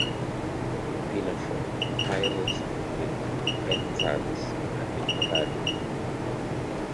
Pinafore", "The Pirates of Penzance" and "The Mikado".